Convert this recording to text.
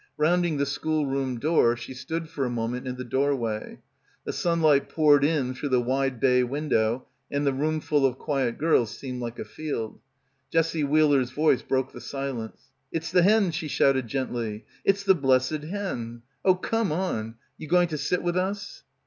Round ing the schoolroom door she stood for a moment in the doorway. The sunlight poured in through the wide bay window and the roomful of quiet girls seemed like a field. Jessie Wheeler's voice broke the silence. "It's the Hen," she shouted gently. "It's the blessed Hen! Oh, come on. You going to sit with us?"